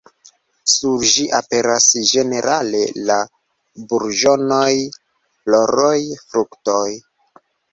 Sur ĝi aperas ĝenerale la burĝonoj, floroj, fruktoj.